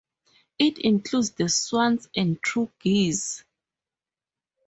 It includes the swans and true geese.